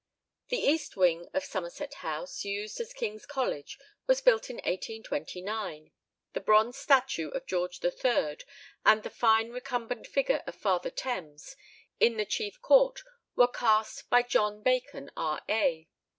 The east wing of Somerset House, used as King's College, was built in 1829. The bronze statue of George III., and the fine recumbent figure of Father Thames, in the chief court, were cast by John Bacon, R.A.